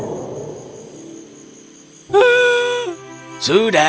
alistair untuk cinta permata